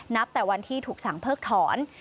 แต่วันที่ถูกสั่งเพิกถอน